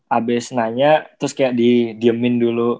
habis nanya terus kayak di diemin dulu